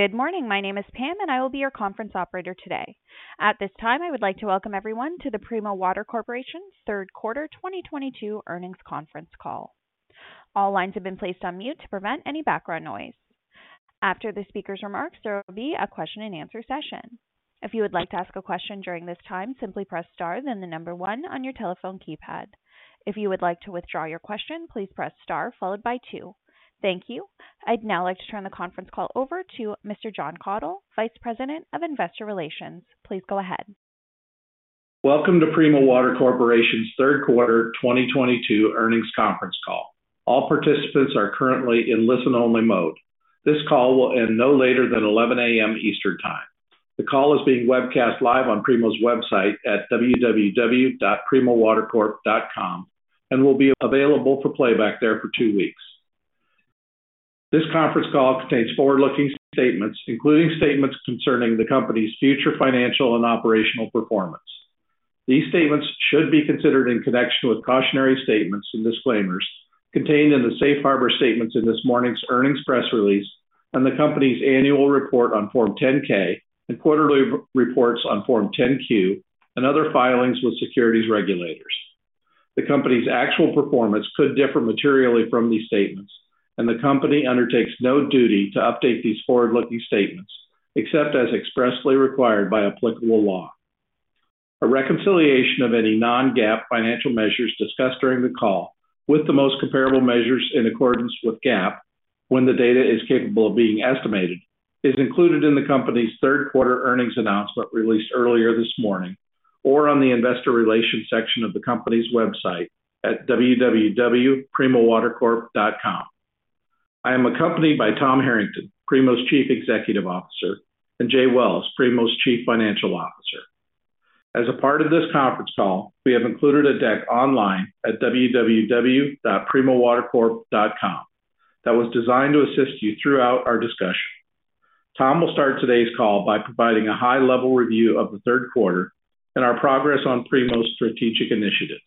Good morning. My name is Pam, and I will be your conference operator today. At this time, I would like to welcome everyone to the Primo Water Corporation third quarter 2022 earnings conference call. All lines have been placed on mute to prevent any background noise. After the speaker's remarks, there will be a question and answer session. If you would like to ask a question during this time, simply press star then the number one on your telephone keypad. If you would like to withdraw your question, please press star followed by two. Thank you. I'd now like to turn the conference call over to Mr. Jon Kathol, Vice President of Investor Relations. Please go ahead. Welcome to Primo Water Corporation's third quarter 2022 earnings conference call. All participants are currently in listen-only mode. This call will end no later than 11 A.M. Eastern Time. The call is being webcast live on Primo's website at www.primowatercorp.com and will be available for playback there for two weeks. This conference call contains forward-looking statements, including statements concerning the company's future financial and operational performance. These statements should be considered in connection with cautionary statements and disclaimers contained in the safe harbor statements in this morning's earnings press release and the company's annual report on Form 10-K and quarterly reports on Form 10-Q and other filings with securities regulators. The company's actual performance could differ materially from these statements, and the company undertakes no duty to update these forward-looking statements except as expressly required by applicable law. A reconciliation of any non-GAAP financial measures discussed during the call with the most comparable measures in accordance with GAAP when the data is capable of being estimated is included in the company's third quarter earnings announcement released earlier this morning or on the investor relations section of the company's website at www.primowatercorp.com. I am accompanied by Tom Harrington, Primo's Chief Executive Officer, and Jay Wells, Primo's Chief Financial Officer. As a part of this conference call, we have included a deck online at www.primowatercorp.com that was designed to assist you throughout our discussion. Tom will start today's call by providing a high-level review of the third quarter and our progress on Primo's strategic initiatives.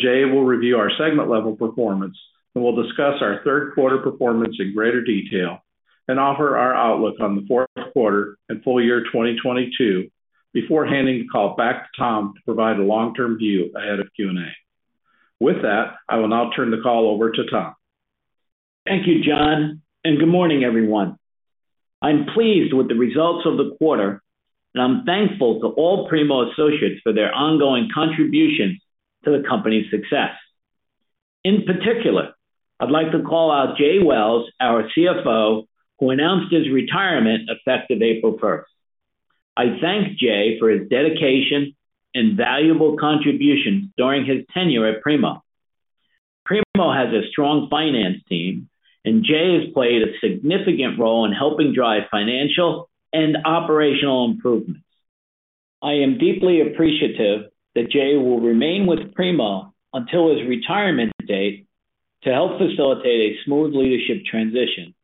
Jay will review our segment-level performance and will discuss our third quarter performance in greater detail and offer our outlook on the fourth quarter and full year 2022 before handing the call back to Tom to provide a long-term view ahead of Q&A. With that, I will now turn the call over to Tom. Thank you, John, and good morning, everyone. I'm pleased with the results of the quarter, and I'm thankful to all Primo associates for their ongoing contribution to the company's success. In particular, I'd like to call out Jay Wells, our CFO, who announced his retirement effective April first. I thank Jay for his dedication and valuable contributions during his tenure at Primo. Primo has a strong finance team, and Jay has played a significant role in helping drive financial and operational improvements. I am deeply appreciative that Jay will remain with Primo until his retirement date to help facilitate a smooth leadership transition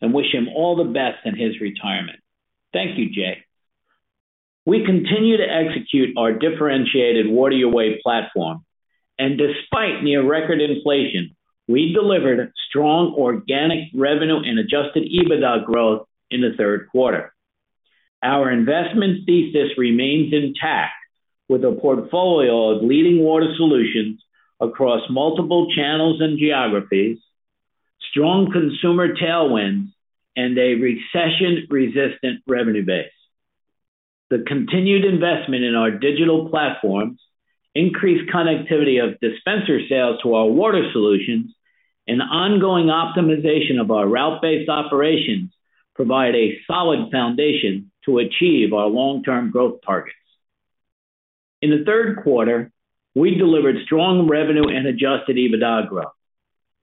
and wish him all the best in his retirement. Thank you, Jay. We continue to execute our differentiated Water Your Way platform, and despite near record inflation, we delivered strong organic revenue and adjusted EBITDA growth in the third quarter. Our investment thesis remains intact with a portfolio of leading water solutions across multiple channels and geographies, strong consumer tailwinds, and a recession-resistant revenue base. The continued investment in our digital platforms, increased connectivity of dispenser sales to our water solutions, and ongoing optimization of our route-based operations provide a solid foundation to achieve our long-term growth targets. In the third quarter, we delivered strong revenue and adjusted EBITDA growth.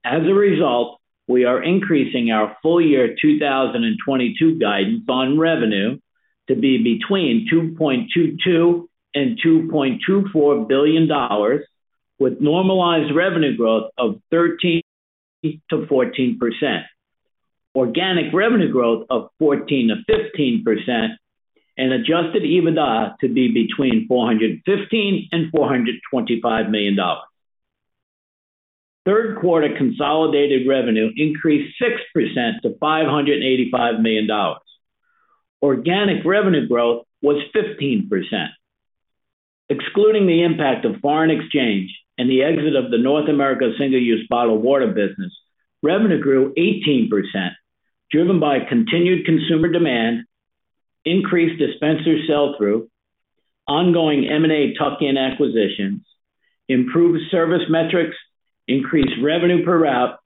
As a result, we are increasing our full-year 2022 guidance on revenue to be between $2.22 billion and $2.24 billion, with normalized revenue growth of 13%-14%, organic revenue growth of 14%-15%, and adjusted EBITDA to be between $415 million and $425 million. Third quarter consolidated revenue increased 6% to $585 million. Organic revenue growth was 15%. Excluding the impact of foreign exchange and the exit of the North America single-use bottled water business, revenue grew 18%, driven by continued consumer demand, increased dispenser sell-through, ongoing M&A tuck-in acquisitions, improved service metrics, increased revenue per route,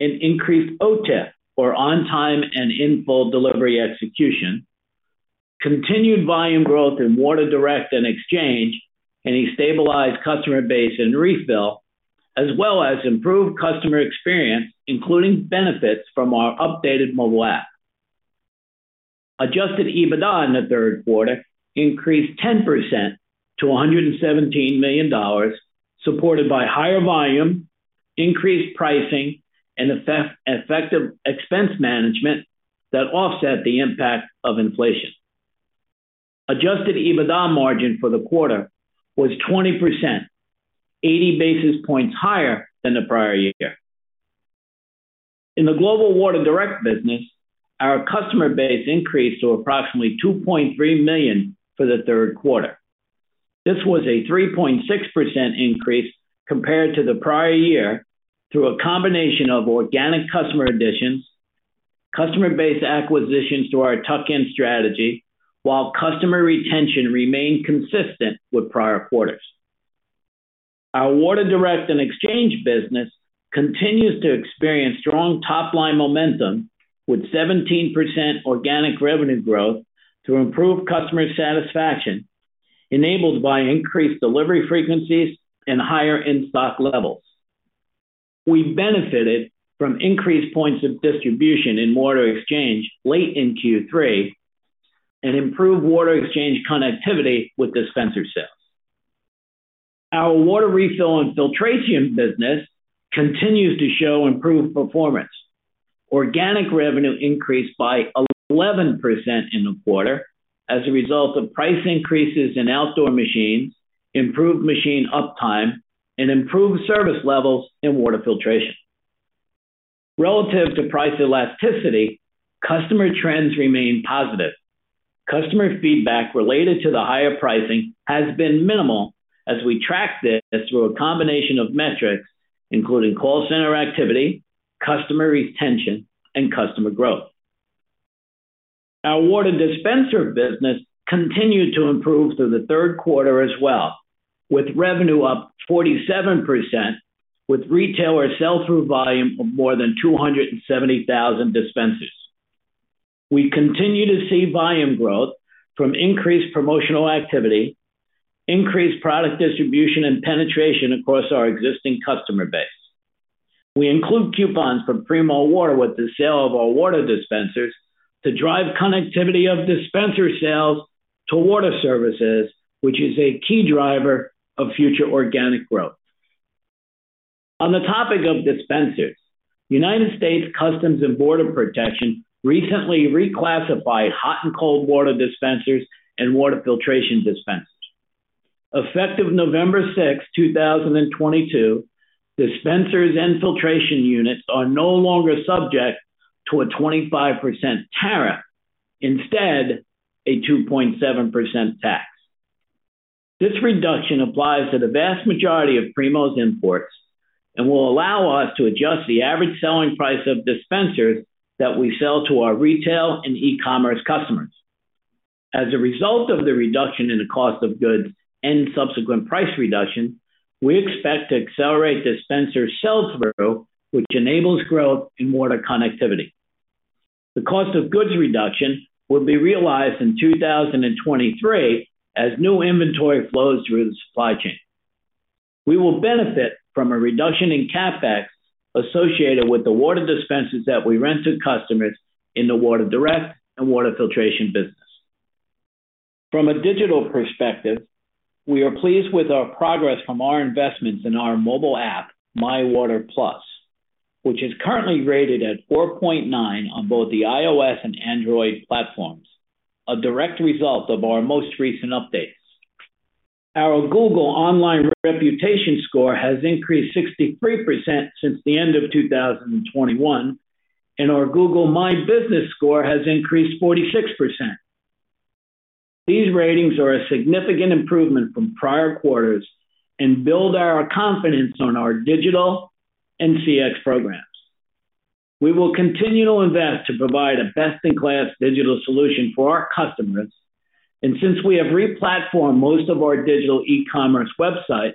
and increased OTIF or on time and in full delivery execution, continued volume growth in Water Direct and Water Exchange, and a stabilized customer base and Water Refill, as well as improved customer experience, including benefits from our updated mobile app. Adjusted EBITDA in the third quarter increased 10% to $117 million, supported by higher volume, increased pricing, and effective expense management that offset the impact of inflation. Adjusted EBITDA margin for the quarter was 20%, 80 basis points higher than the prior year. In the global Water Direct business, our customer base increased to approximately 2.3 million for the third quarter. This was a 3.6% increase compared to the prior year through a combination of organic customer additions, customer-based acquisitions through our tuck-in strategy, while customer retention remained consistent with prior quarters. Our Water Direct and Exchange business continues to experience strong top-line momentum with 17% organic revenue growth to improve customer satisfaction, enabled by increased delivery frequencies and higher in-stock levels. We benefited from increased points of distribution in Water Exchange late in Q3 and improved Water Exchange connectivity with dispenser sales. Our Water Refill and filtration business continues to show improved performance. Organic revenue increased by 11% in the quarter as a result of price increases in outdoor machines, improved machine uptime, and improved service levels in water filtration. Relative to price elasticity, customer trends remain positive. Customer feedback related to the higher pricing has been minimal as we tracked this through a combination of metrics, including call center activity, customer retention, and customer growth. Our water dispenser business continued to improve through the third quarter as well, with revenue up 47% with retailer sell-through volume of more than 270,000 dispensers. We continue to see volume growth from increased promotional activity, increased product distribution and penetration across our existing customer base. We include coupons from Primo Water with the sale of our water dispensers to drive connectivity of dispenser sales to water services, which is a key driver of future organic growth. On the topic of dispensers, U.S. Customs and Border Protection recently reclassified hot and cold water dispensers and water filtration dispensers. Effective November 6, 2022, dispensers and filtration units are no longer subject to a 25% tariff, instead a 2.7% tax. This reduction applies to the vast majority of Primo's imports and will allow us to adjust the average selling price of dispensers that we sell to our retail and e-commerce customers. As a result of the reduction in the cost of goods and subsequent price reduction, we expect to accelerate dispenser sell-through, which enables growth in water connectivity. The cost of goods reduction will be realized in 2023 as new inventory flows through the supply chain. We will benefit from a reduction in CapEx associated with the water dispensers that we rent to customers in the Water Direct and water filtration business. From a digital perspective, we are pleased with our progress from our investments in our mobile app, MyWater+, which is currently rated at 4.9 on both the iOS and Android platforms, a direct result of our most recent updates. Our Google online reputation score has increased 63% since the end of 2021, and our Google My Business score has increased 46%. These ratings are a significant improvement from prior quarters and build our confidence on our digital and CX programs. We will continue to invest to provide a best-in-class digital solution for our customers. Since we have re-platformed most of our digital e-commerce websites,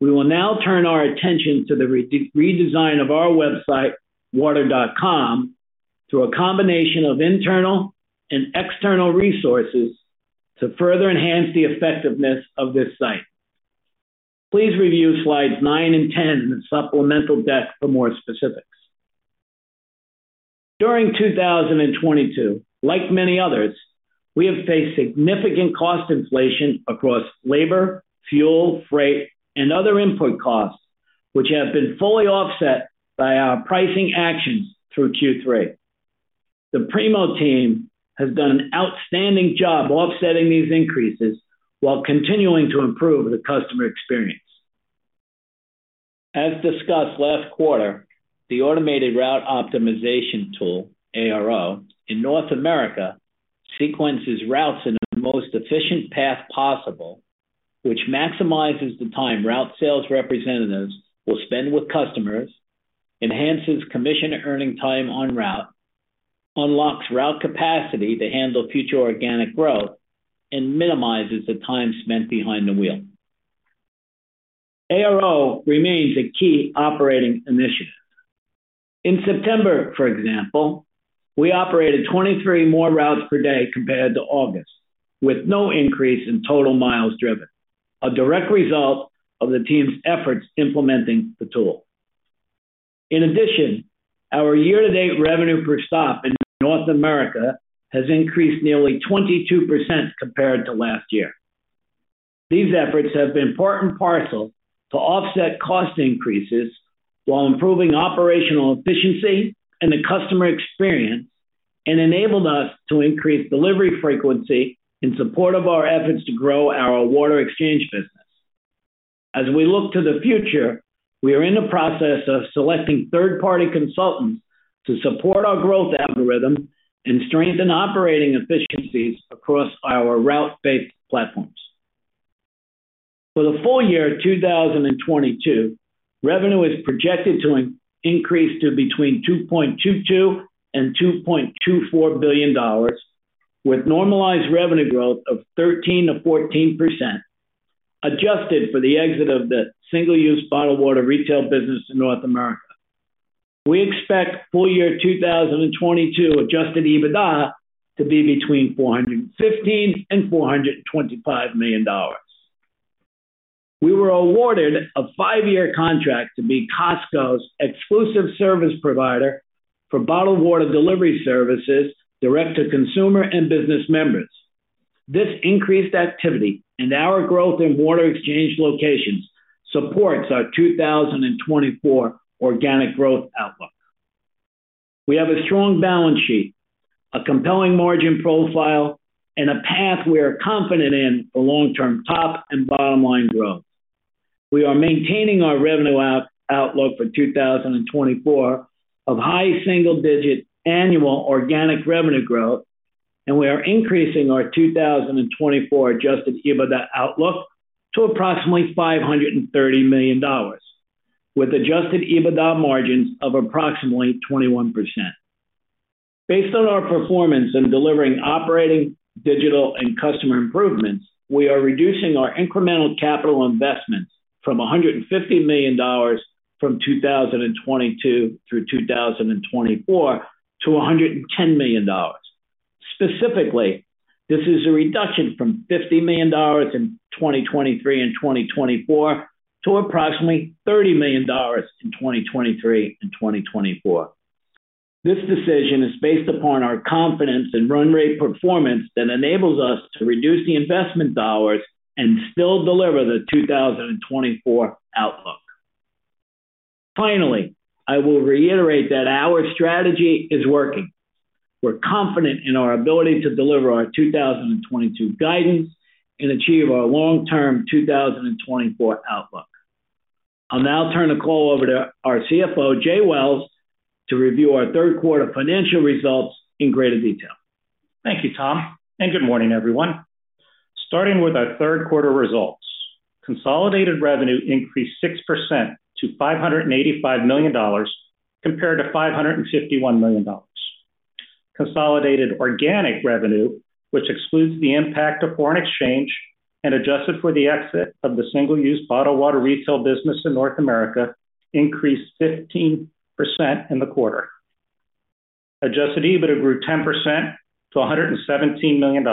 we will now turn our attention to the redesign of our website, water.com, through a combination of internal and external resources to further enhance the effectiveness of this site. Please review slides nine and ten in the supplemental deck for more specifics. During 2022, like many others, we have faced significant cost inflation across labor, fuel, freight, and other input costs, which have been fully offset by our pricing actions through Q3. The Primo team has done an outstanding job offsetting these increases while continuing to improve the customer experience. As discussed last quarter, the automated route optimization tool, ARO, in North America sequences routes in the most efficient path possible, which maximizes the time route sales representatives will spend with customers, enhances commission earning time on route, unlocks route capacity to handle future organic growth, and minimizes the time spent behind the wheel. ARO remains a key operating initiative. In September, for example, we operated 23 more routes per day compared to August, with no increase in total miles driven, a direct result of the team's efforts implementing the tool. In addition, our year-to-date revenue per stop in North America has increased nearly 22% compared to last year. These efforts have been part and parcel to offset cost increases while improving operational efficiency and the customer experience, and enabled us to increase delivery frequency in support of our efforts to grow our Water Exchange business. As we look to the future, we are in the process of selecting third-party consultants to support our growth algorithm and strengthen operating efficiencies across our route-based platforms. For the full year 2022, revenue is projected to increase to between $2.22 billion and $2.24 billion, with normalized revenue growth of 13%-14%, adjusted for the exit of the single-use bottled water retail business in North America. We expect full year 2022 adjusted EBITDA to be between $415 million and $425 million. We were awarded a 5-year contract to be Costco's exclusive service provider for bottled water delivery services direct to consumer and business members. This increased activity and our growth in Water Exchange locations supports our 2024 organic growth outlook. We have a strong balance sheet, a compelling margin profile, and a path we are confident in for long-term top and bottom-line growth. We are maintaining our revenue outlook for 2024 of high single-digit annual organic revenue growth, and we are increasing our 2024 adjusted EBITDA outlook to approximately $530 million, with adjusted EBITDA margins of approximately 21%. Based on our performance in delivering operating, digital, and customer improvements, we are reducing our incremental capital investments from $150 million from 2022 through 2024 to $110 million. Specifically, this is a reduction from $50 million in 2023 and 2024 to approximately $30 million in 2023 and 2024. This decision is based upon our confidence in run rate performance that enables us to reduce the investment dollars and still deliver the 2024 outlook. Finally, I will reiterate that our strategy is working. We're confident in our ability to deliver our 2022 guidance and achieve our long-term 2024 outlook. I'll now turn the call over to our CFO, Jay Wells, to review our third quarter financial results in greater detail. Thank you, Tom, and good morning, everyone. Starting with our third quarter results. Consolidated revenue increased 6% to $585 million, compared to $551 million. Consolidated organic revenue, which excludes the impact of foreign exchange and adjusted for the exit of the single-use bottled water refill business in North America, increased 15% in the quarter. Adjusted EBITDA grew 10% to $117 million.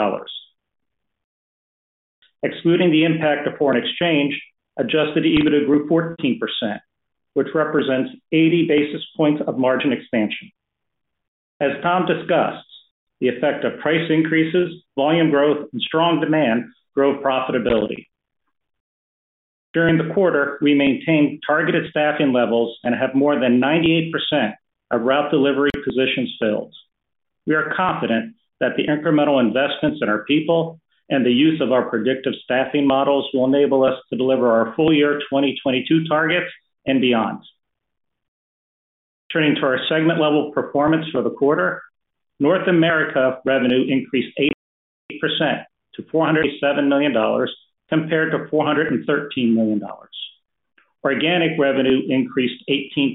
Excluding the impact of foreign exchange, adjusted EBITDA grew 14%, which represents 80 basis points of margin expansion. As Tom discussed, the effect of price increases, volume growth, and strong demand grow profitability. During the quarter, we maintained targeted staffing levels and have more than 98% of route delivery positions filled. We are confident that the incremental investments in our people and the use of our predictive staffing models will enable us to deliver our full year 2022 targets and beyond. Turning to our segment level performance for the quarter. North America revenue increased 8% to $407 million, compared to $413 million. Organic revenue increased 18%.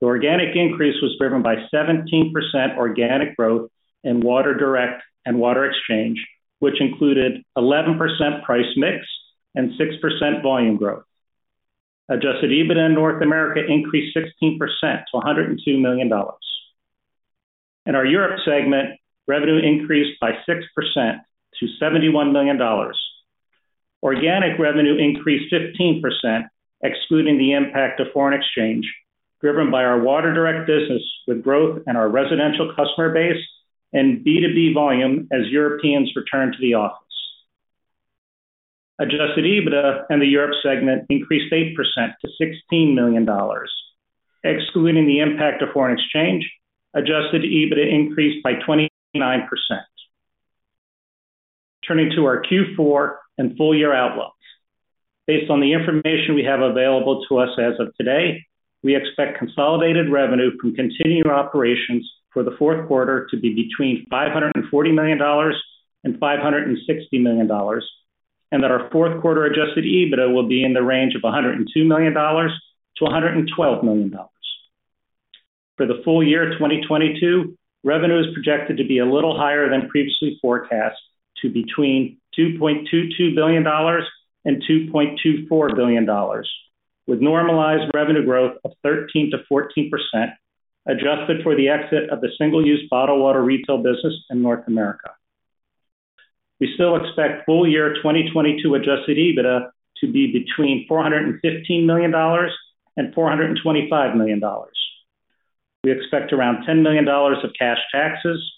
The organic increase was driven by 17% organic growth in Water Direct and Water Exchange, which included 11% price mix and 6% volume growth. Adjusted EBITDA in North America increased 16% to $102 million. In our Europe segment, revenue increased by 6% to $71 million. Organic revenue increased 15%, excluding the impact of foreign exchange, driven by our Water Direct business with growth in our residential customer base and B2B volume as Europeans return to the office. Adjusted EBITDA in the Europe segment increased 8% to $16 million. Excluding the impact of foreign exchange, adjusted EBITDA increased by 29%. Turning to our Q4 and full year outlooks. Based on the information we have available to us as of today, we expect consolidated revenue from continuing operations for the fourth quarter to be between $540 million and $560 million, and that our fourth quarter adjusted EBITDA will be in the range of $102 million-$112 million. For the full year 2022, revenue is projected to be a little higher than previously forecast to between $2.22 billion and $2.24 billion, with normalized revenue growth of 13%-14%, adjusted for the exit of the single-use bottled water retail business in North America. We still expect full year 2022 adjusted EBITDA to be between $415 million and $425 million. We expect around $10 million of cash taxes,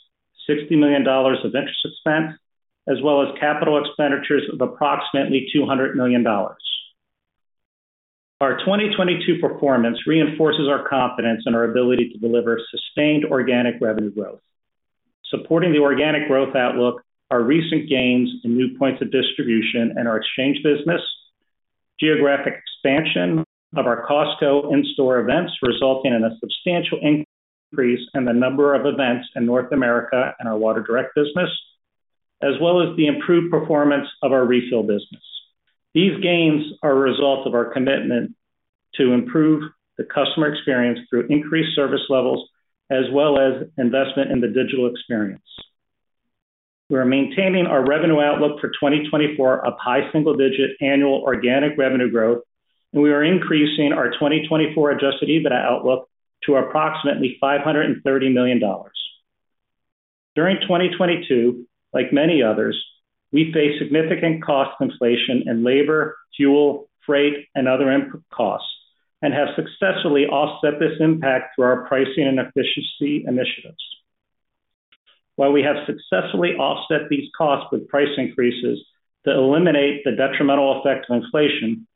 $60 million of interest expense, as well as capital expenditures of approximately $200 million. Our 2022 performance reinforces our confidence in our ability to deliver sustained organic revenue growth. Supporting the organic growth outlook are recent gains in new points of distribution in our exchange business, geographic expansion of our Costco in-store events, resulting in a substantial increase in the number of events in North America and our Water Direct business, as well as the improved performance of our refill business. These gains are a result of our commitment to improve the customer experience through increased service levels, as well as investment in the digital experience. We are maintaining our revenue outlook for 2024 of high single-digit annual organic revenue growth, and we are increasing our 2024 adjusted EBITDA outlook to approximately $530 million. During 2022, like many others, we faced significant cost inflation in labor, fuel, freight, and other input costs, and have successfully offset this impact through our pricing and efficiency initiatives. While we have successfully offset these costs with price increases to eliminate the detrimental effects of inflation,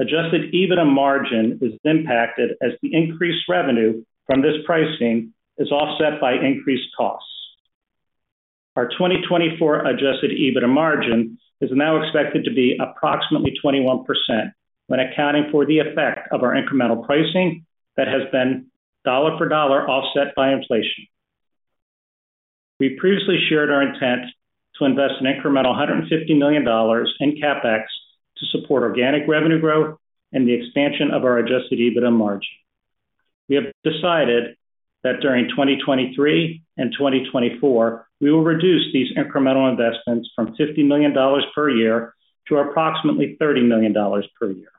adjusted EBITDA margin is impacted as the increased revenue from this pricing is offset by increased costs. Our 2024 adjusted EBITDA margin is now expected to be approximately 21% when accounting for the effect of our incremental pricing that has been dollar for dollar offset by inflation. We previously shared our intent to invest an incremental $150 million in CapEx to support organic revenue growth and the expansion of our adjusted EBITDA margin. We have decided that during 2023 and 2024, we will reduce these incremental investments from $50 million per year to approximately $30 million per year,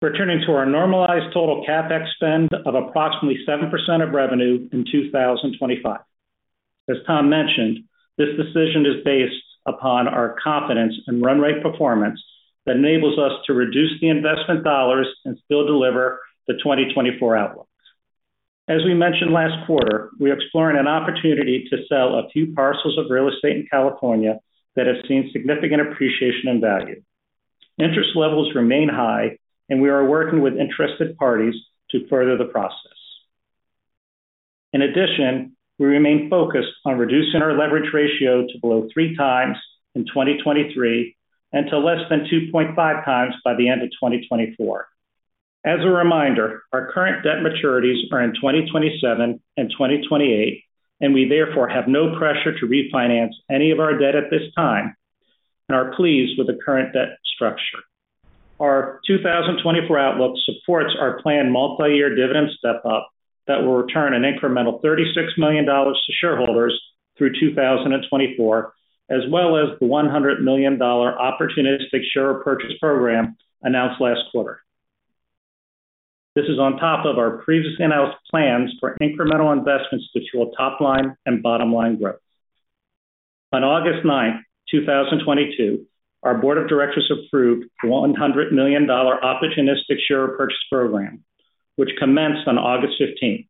returning to our normalized total CapEx spend of approximately 7% of revenue in 2025. As Tom mentioned, this decision is based upon our confidence in run rate performance that enables us to reduce the investment dollars and still deliver the 2024 outlooks. As we mentioned last quarter, we are exploring an opportunity to sell a few parcels of real estate in California that have seen significant appreciation in value. Interest levels remain high, and we are working with interested parties to further the process. In addition, we remain focused on reducing our leverage ratio to below three times in 2023 and to less than 2.5x by the end of 2024. As a reminder, our current debt maturities are in 2027 and 2028, and we therefore have no pressure to refinance any of our debt at this time and are pleased with the current debt structure. Our 2024 outlook supports our planned multi-year dividend step-up that will return an incremental $36 million to shareholders through 2024, as well as the $100 million opportunistic share purchase program announced last quarter. This is on top of our previously announced plans for incremental investments to fuel top line and bottom line growth. On August 9, 2022, our board of directors approved the $100 million opportunistic share purchase program, which commenced on August 15.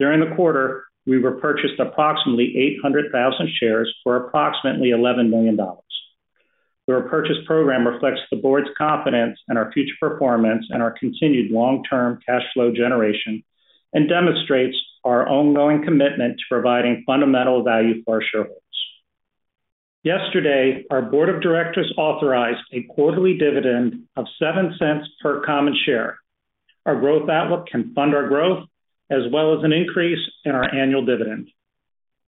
During the quarter, we repurchased approximately 800,000 shares for approximately $11 million. The repurchase program reflects the board's confidence in our future performance and our continued long-term cash flow generation and demonstrates our ongoing commitment to providing fundamental value for our shareholders. Yesterday, our board of directors authorized a quarterly dividend of $0.07 per common share. Our growth outlook can fund our growth, as well as an increase in our annual dividend.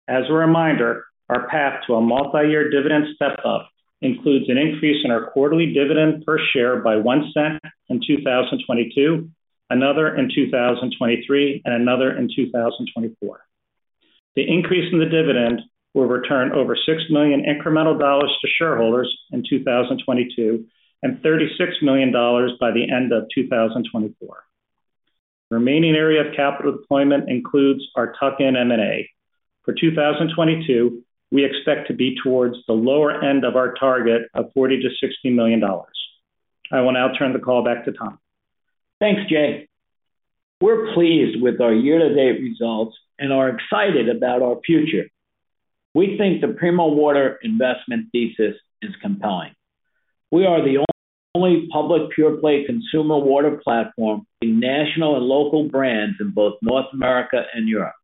As a reminder, our path to a multi-year dividend step-up includes an increase in our quarterly dividend per share by $0.01 in 2022, another in 2023, and another in 2024. The increase in the dividend will return over $6 million incremental dollars to shareholders in 2022, and $36 million by the end of 2024. Remaining area of capital deployment includes our tuck-in M&A. For 2022, we expect to be towards the lower end of our target of $40 million-$60 million. I will now turn the call back to Tom. Thanks, Jay. We're pleased with our year-to-date results and are excited about our future. We think the Primo Water investment thesis is compelling. We are the only public pure play consumer water platform in national and local brands in both North America and Europe.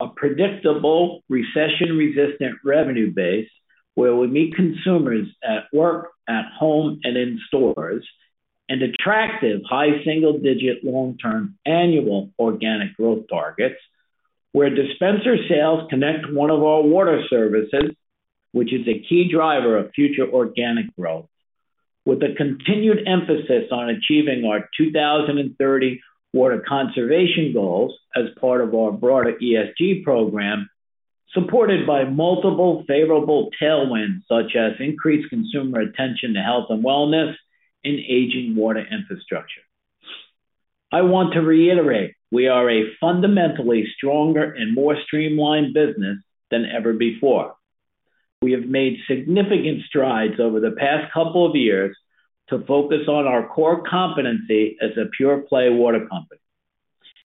A predictable, recession-resistant revenue base where we meet consumers at work, at home, and in stores, and attractive high single-digit long-term annual organic growth targets where dispenser sales connect to one of our water services, which is a key driver of future organic growth. With a continued emphasis on achieving our 2030 water conservation goals as part of our broader ESG program, supported by multiple favorable tailwinds such as increased consumer attention to health and wellness and aging water infrastructure. I want to reiterate, we are a fundamentally stronger and more streamlined business than ever before. We have made significant strides over the past couple of years to focus on our core competency as a pure play water company.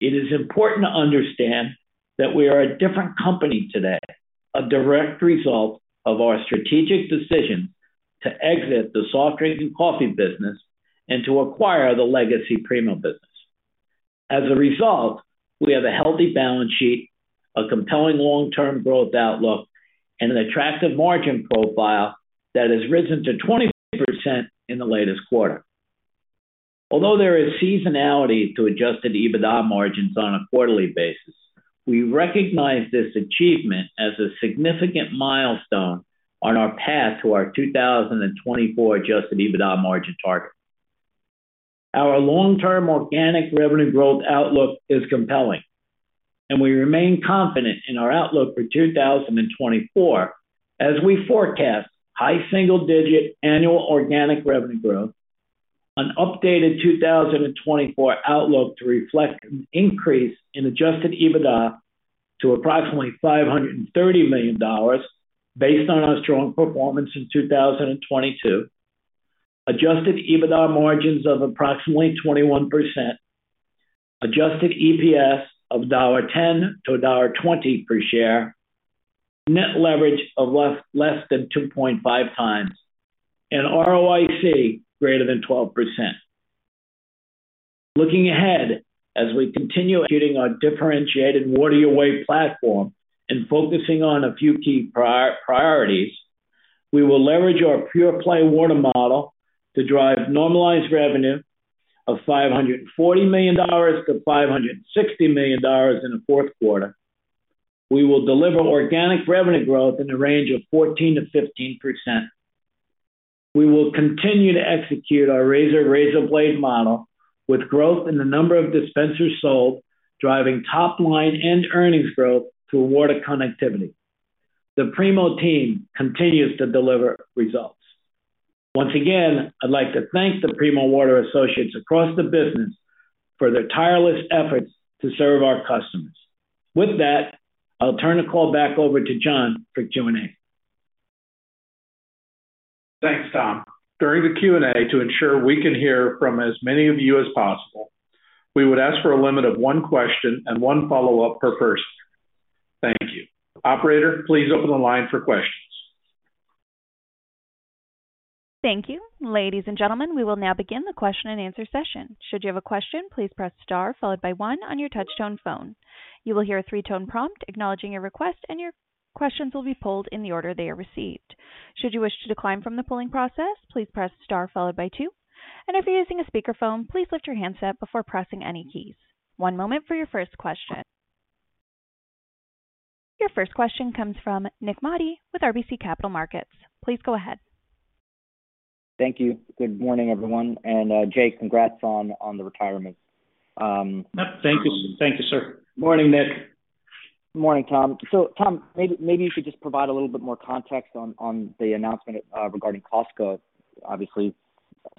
It is important to understand that we are a different company today, a direct result of our strategic decision to exit the soft drink and coffee business and to acquire the Legacy Primo business. As a result, we have a healthy balance sheet, a compelling long-term growth outlook, and an attractive margin profile that has risen to 20% in the latest quarter. Although there is seasonality to adjusted EBITDA margins on a quarterly basis, we recognize this achievement as a significant milestone on our path to our 2024 adjusted EBITDA margin target. Our long-term organic revenue growth outlook is compelling, and we remain confident in our outlook for 2024 as we forecast high single digit annual organic revenue growth, an updated 2024 outlook to reflect an increase in adjusted EBITDA to approximately $530 million based on our strong performance in 2022. Adjusted EBITDA margins of approximately 21%. Adjusted EPS of $10-$20 per share. Net leverage of less than 2.5x. ROIC greater than 12%. Looking ahead, as we continue executing our differentiated Water Your Way platform and focusing on a few key priorities, we will leverage our pure play water model to drive normalized revenue of $540 million-$560 million in the fourth quarter. We will deliver organic revenue growth in the range of 14%-15%. We will continue to execute our razor-blade model with growth in the number of dispensers sold, driving top line and earnings growth through water connectivity. The Primo team continues to deliver results. Once again, I'd like to thank the Primo Water associates across the business for their tireless efforts to serve our customers. With that, I'll turn the call back over to John for Q&A. Thanks, Tom. During the Q&A, to ensure we can hear from as many of you as possible, we would ask for a limit of one question and one follow-up per person. Thank you. Operator, please open the line for questions. Thank you. Ladies and gentlemen, we will now begin the question and answer session. Should you have a question, please press star followed by one on your touch tone phone. You will hear a three-tone prompt acknowledging your request, and your questions will be pulled in the order they are received. Should you wish to decline from the pulling process, please press star followed by two. If you're using a speakerphone, please lift your handset before pressing any keys. One moment for your first question. Your first question comes from Nik Modi with RBC Capital Markets. Please go ahead. Thank you. Good morning, everyone. Jay, congrats on the retirement. Thank you. Thank you, sir. Morning, Nik. Morning, Tom. Tom, maybe you could just provide a little bit more context on the announcement regarding Costco. Obviously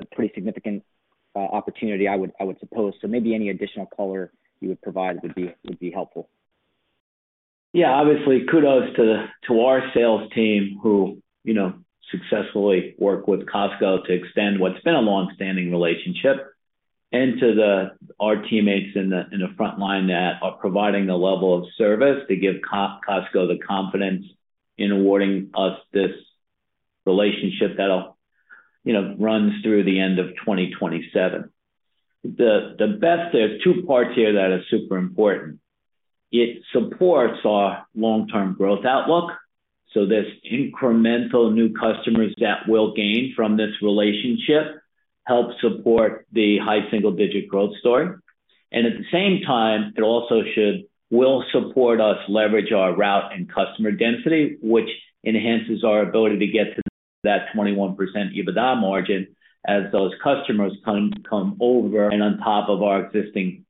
a pretty significant opportunity I would suppose. Maybe any additional color you would provide would be helpful. Yeah. Obviously, kudos to our sales team who, you know, successfully work with Costco to extend what's been a long-standing relationship. And to our teammates in the front line that are providing the level of service to give Costco the confidence in awarding us this relationship that'll, you know, runs through the end of 2027. There are two parts here that are super important. It supports our long-term growth outlook, so there's incremental new customers that we'll gain from this relationship, help support the high single digit growth story. And at the same time, it also will support us leverage our route and customer density, which enhances our ability to get to that 21% EBITDA margin as those customers come over and on top of our existing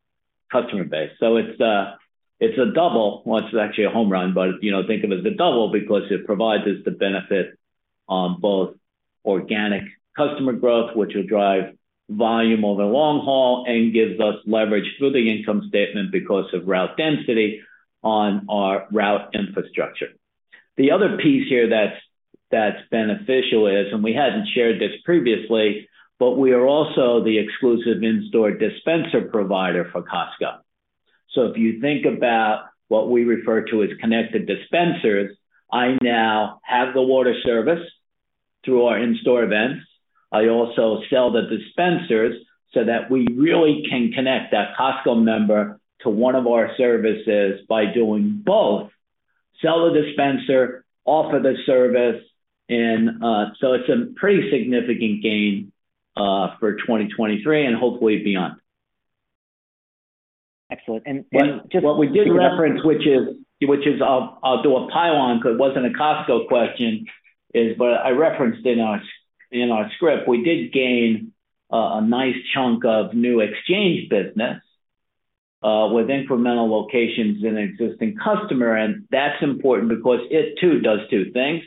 customer base. So it's a double. Well, it's actually a home run, but, you know, think of it as a double because it provides us the benefit on both organic customer growth, which will drive volume over the long haul and gives us leverage through the income statement because of route density on our route infrastructure. The other piece here that's beneficial is, and we hadn't shared this previously, but we are also the exclusive in-store dispenser provider for Costco. If you think about what we refer to as connected dispensers, I now have the water service through our in-store events. I also sell the dispensers so that we really can connect that Costco member to one of our services by doing both. Sell the dispenser, offer the service. It's a pretty significant gain for 2023 and hopefully beyond. Excellent. What we did reference, which is I'll do a pile on because it wasn't a Costco question, is. I referenced in our script. We did gain a nice chunk of new exchange business with incremental locations in an existing customer, and that's important because it too does two things.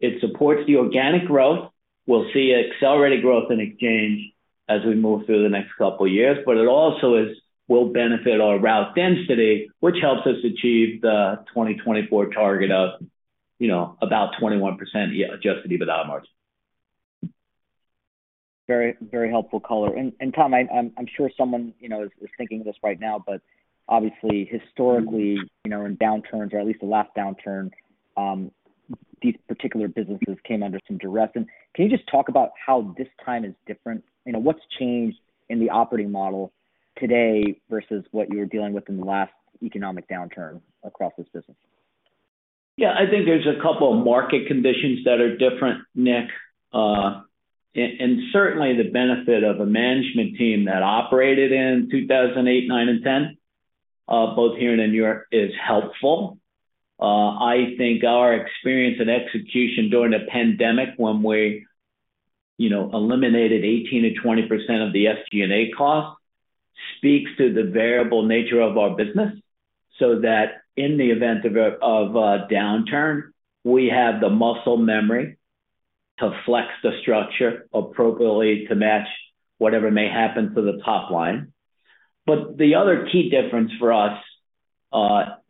It supports the organic growth. We'll see accelerated growth in exchange as we move through the next couple of years, but it also will benefit our route density, which helps us achieve the 2024 target of, you know, about 21% adjusted EBITDA margin. Very, very helpful color. Tom, I'm sure someone, you know, is thinking this right now, but obviously historically, you know, in downturns or at least the last downturn, these particular businesses came under some duress. Can you just talk about how this time is different? You know, what's changed in the operating model today versus what you were dealing with in the last economic downturn across this business? Yeah. I think there's a couple of market conditions that are different, Nick. And certainly the benefit of a management team that operated in 2008, 2009, and 2010, both here and in Europe is helpful. I think our experience and execution during the pandemic when we, you know, eliminated 18%-20% of the SG&A costs speaks to the variable nature of our business, so that in the event of a downturn, we have the muscle memory to flex the structure appropriately to match whatever may happen to the top line. The other key difference for us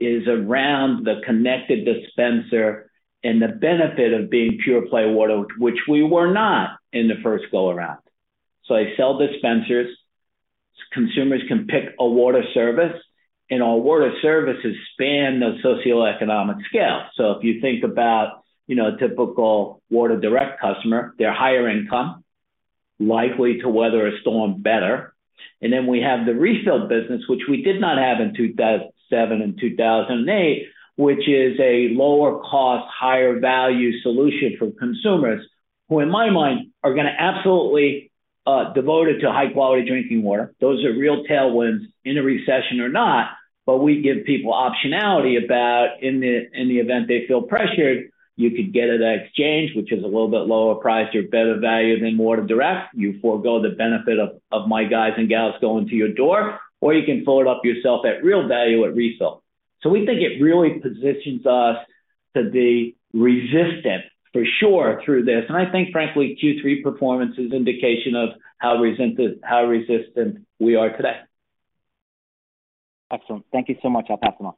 is around the connected dispenser and the benefit of being pure play water, which we were not in the first go-around. I sell dispensers, consumers can pick a water service, and our water services span the socioeconomic scale. If you think about, you know, a typical Water Direct customer, they're higher income, likely to weather a storm better. We have the Water Refill business, which we did not have in 2007 and 2008, which is a lower cost, higher value solution for consumers who, in my mind, are gonna absolutely devoted to high-quality drinking water. Those are real tailwinds in a recession or not, but we give people optionality about in the, in the event they feel pressured, you could get it at Water Exchange, which is a little bit lower price or better value than Water Direct. You forego the benefit of my guys and gals going to your door, or you can fill it up yourself at real value at Water Refill. We think it really positions us to be resistant for sure through this. I think frankly, Q3 performance is indication of how resistant we are today. Excellent. Thank you so much. I'll pass them on.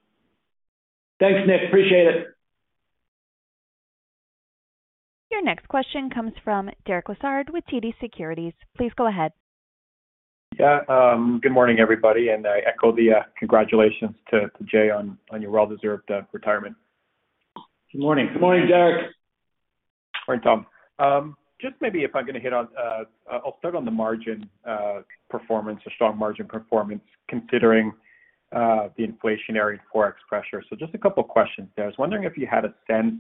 Thanks, Nik. Appreciate it. Your next question comes from Derek Lessard with TD Securities. Please go ahead. Yeah. Good morning, everybody, and I echo the congratulations to Jay on your well-deserved retirement. Good morning. Good morning, Derek. Morning, Tom. Just maybe if I'm gonna hit on, I'll start on the margin performance or strong margin performance considering the inflationary FX pressure. Just a couple of questions there. I was wondering if you had a sense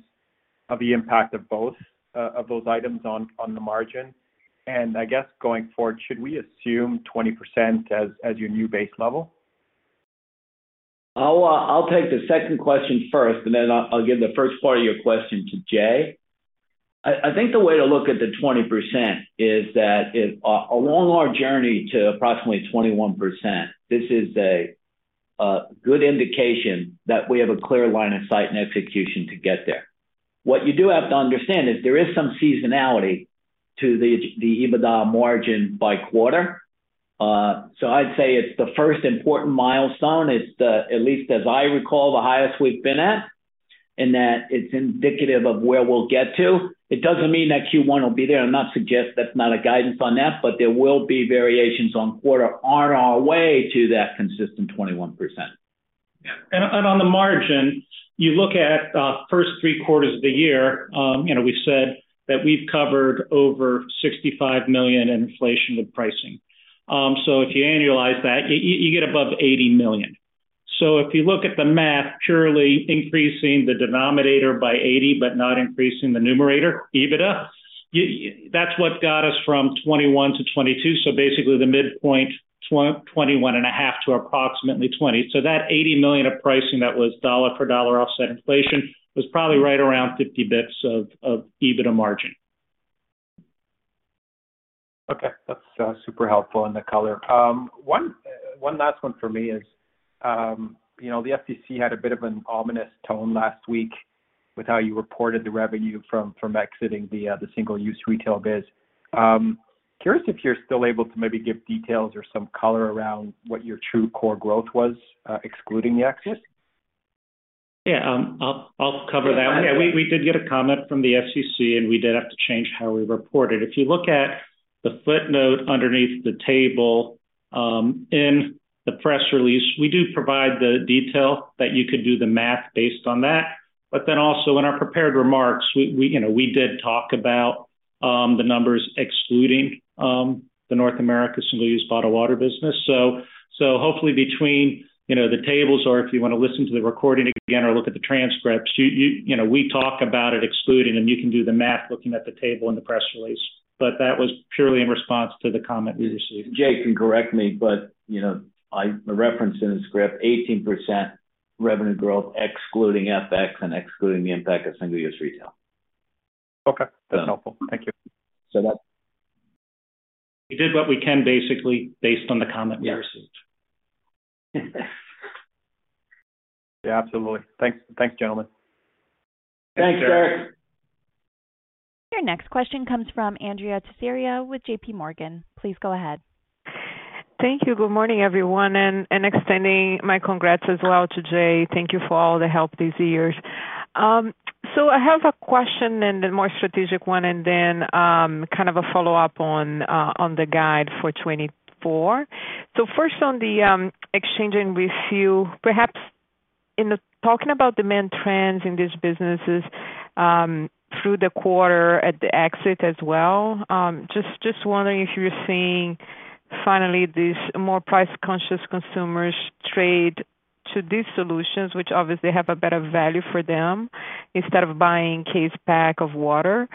of the impact of both of those items on the margin. I guess going forward, should we assume 20% as your new base level? I'll take the second question first, and then I'll give the first part of your question to Jay. I think the way to look at the 20% is that along our journey to approximately 21%, this is a good indication that we have a clear line of sight and execution to get there. What you do have to understand is there is some seasonality to the EBITDA margin by quarter. I'd say it's the first important milestone. It's at least as I recall the highest we've been at, and that it's indicative of where we'll get to. It doesn't mean that Q1 will be there. I'm not suggesting that's not a guidance on that, but there will be variations quarter to quarter on our way to that consistent 21%. Yeah. On the margin, you look at first three quarters of the year, you know, we said that we've covered over $65 million in inflation with pricing. So if you annualize that, you get above $80 million. So if you look at the math, purely increasing the denominator by $80 million, but not increasing the numerator, EBITDA, that's what got us from 21% to 22%. So basically the midpoint 21.5% to approximately 20%. So that $80 million of pricing that was dollar for dollar offset inflation was probably right around 50 basis points of EBITDA margin. Okay. That's super helpful in the color. One last one for me is, you know, the SEC had a bit of an ominous tone last week with how you reported the revenue from exiting the single-use retail biz. Curious if you're still able to maybe give details or some color around what your true core growth was, excluding the exit. Yeah. I'll cover that. Yeah, we did get a comment from the SEC, and we did have to change how we report it. If you look at the footnote underneath the table in the press release, we do provide the detail that you could do the math based on that. Then also in our prepared remarks, we you know, we did talk about the numbers excluding the North America single-use bottled water business. Hopefully between you know, the tables or if you want to listen to the recording again or look at the transcripts, you you know, we talk about it excluding, and you can do the math looking at the table in the press release. That was purely in response to the comment we received. Jay can correct me, but, you know, I referenced in the script 18% revenue growth excluding FX and excluding the impact of single-use retail. Okay. That's helpful. Thank you. So that... We did what we can basically based on the comment we received. Yeah, absolutely. Thanks. Thanks, gentlemen. Thanks, Eric. Your next question comes from Andrea Teixeira with JPMorgan. Please go ahead. Thank you. Good morning, everyone, extending my congrats as well to Jay. Thank you for all the help these years. I have a question and a more strategic one and then kind of a follow-up on the guide for 2024. First on the exchanging with you, perhaps talking about demand trends in these businesses, through the quarter at the exit as well, just wondering if you're seeing finally these more price-conscious consumers trade to these solutions, which obviously have a better value for them instead of buying case pack of water.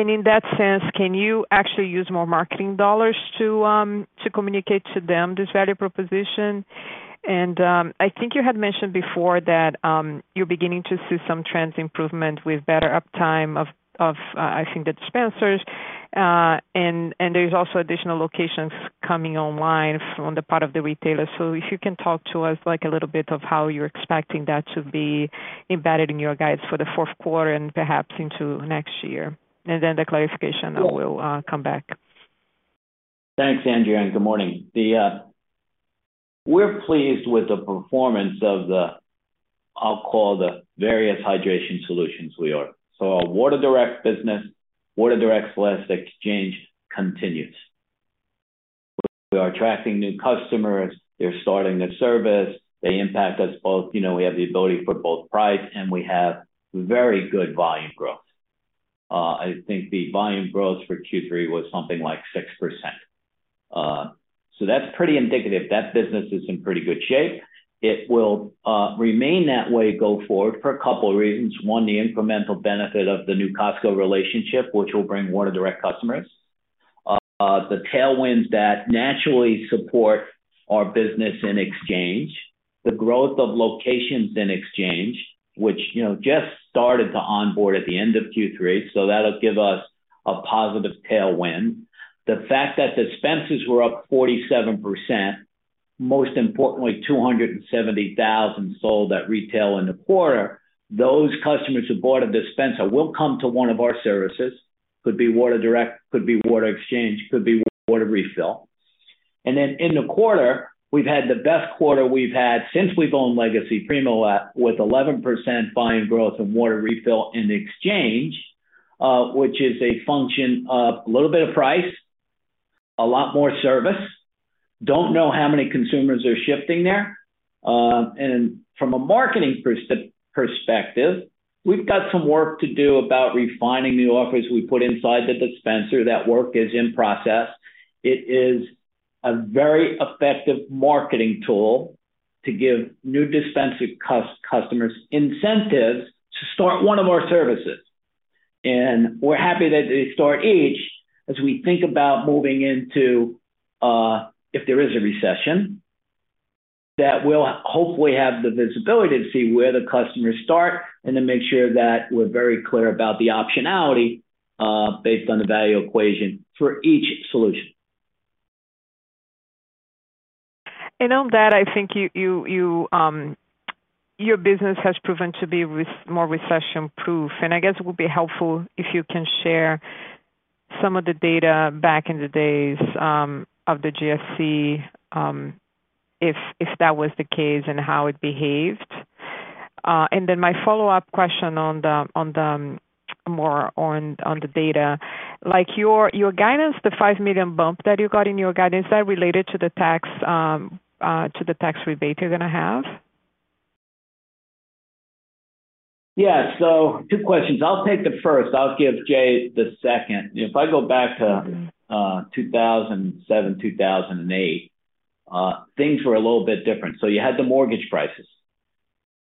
In that sense, can you actually use more marketing dollars to communicate to them this value proposition? I think you had mentioned before that you're beginning to see some trend improvements with better uptime of the dispensers, and there's also additional locations coming online on the part of the retailer. If you can talk to us a little bit about how you're expecting that to be embedded in your guidance for the fourth quarter and perhaps into next year. The clarification I will come back. Thanks, Andrea, and good morning. We're pleased with the performance of the, I'll call the various hydration solutions we offer. Our Water Direct business, Water Direct less Exchange continues. We are attracting new customers, they're starting the service. They impact us both. You know, we have the ability for both price, and we have very good volume growth. I think the volume growth for Q3 was something like 6%. So that's pretty indicative. That business is in pretty good shape. It will remain that way go forward for a couple of reasons. One, the incremental benefit of the new Costco relationship, which will bring Water Direct customers. The tailwinds that naturally support our business in Exchange, the growth of locations in Exchange, which, you know, just started to onboard at the end of Q3. That'll give us a positive tailwind. The fact that dispensers were up 47%, most importantly, 270,000 sold at retail in the quarter. Those customers who bought a dispenser will come to one of our services. Could be Water Direct, could be Water Exchange, could be Water Refill. In the quarter, we've had the best quarter we've had since we've owned Legacy Primo with 11% volume growth in Water Refill in Exchange, which is a function of a little bit of price, a lot more service. Don't know how many consumers are shifting there. From a marketing perspective, we've got some work to do about refining new offers we put inside the dispenser. That work is in process. It is a very effective marketing tool to give new dispenser customers incentives to start one of our services. We're happy that they start each as we think about moving into, if there is a recession, that we'll hopefully have the visibility to see where the customers start and then make sure that we're very clear about the optionality, based on the value equation for each solution. On that, I think your business has proven to be more recession-proof, and I guess it would be helpful if you can share some of the data back in the days of the GFC, if that was the case and how it behaved. My follow-up question more on the data, like your guidance, the $5 million bump that you got in your guidance, is that related to the tax rebate you're gonna have? Yeah. Two questions. I'll take the first. I'll give Jay the second. If I go back to 2007, 2008, things were a little bit different. You had the mortgage crisis,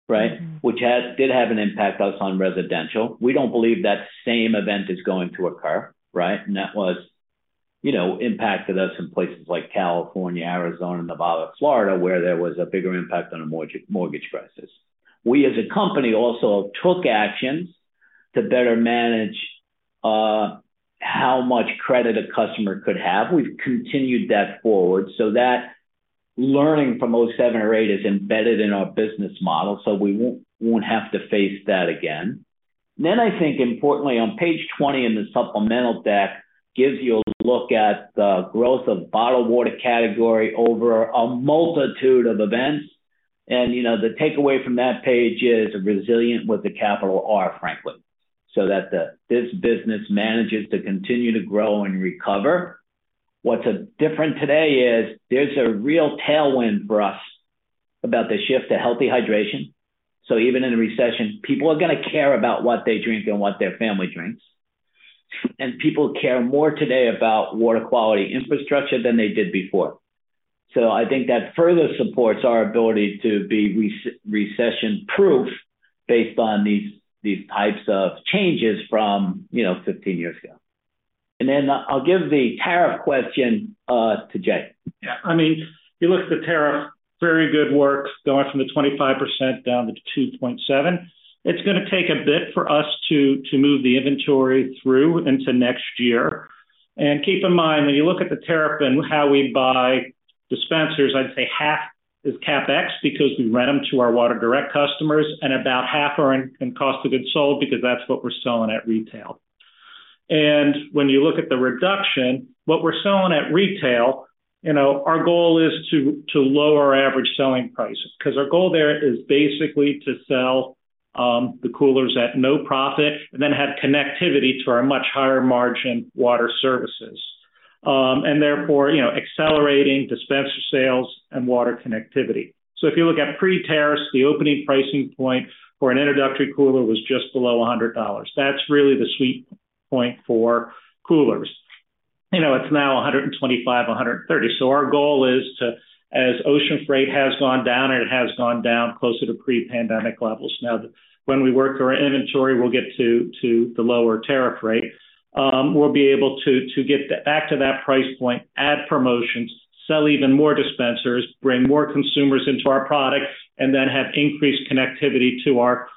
right? Which did have an impact to us on residential. We don't believe that same event is going to occur, right? That was, you know, impacted us in places like California, Arizona, Nevada, Florida, where there was a bigger impact on a mortgage crisis. We as a company also took actions to better manage how much credit a customer could have. We've continued that forward so that learning from 2007 or 2008 is embedded in our business model, so we won't have to face that again. I think importantly on page 20 in the supplemental deck gives you a look at the growth of the bottled water category over a multitude of events. You know, the takeaway from that page is resilient with a capital R, frankly, so that this business manages to continue to grow and recover. What's different today is there's a real tailwind for us about the shift to healthy hydration. Even in a recession, people are gonna care about what they drink and what their family drinks. People care more today about water quality infrastructure than they did before. I think that further supports our ability to be recession proof based on these types of changes from, you know, 15 years ago. I'll give the tariff question to Jay. Yeah. I mean, you look at the tariff, very good work going from the 25% down to 2.7%. It's gonna take a bit for us to move the inventory through into next year. Keep in mind, when you look at the tariff and how we buy dispensers, I'd say half is CapEx because we rent them to our Water Direct customers, and about half are in cost of goods sold because that's what we're selling at retail. When you look at the reduction, what we're selling at retail, you know, our goal is to lower our average selling prices. 'Cause our goal there is basically to sell the coolers at no profit and then have connectivity to our much higher margin water services. Therefore, you know, accelerating dispenser sales and water connectivity. If you look at pre-tariffs, the opening pricing point for an introductory cooler was just below $100. That's really the sweet point for coolers. You know, it's now $125, $130. Our goal is as ocean freight has gone down, and it has gone down closer to pre-pandemic levels. Now, when we work our inventory, we'll get to the lower tariff rate. We'll be able to get back to that price point, add promotions, sell even more dispensers, bring more consumers into our product, and then have increased connectivity to our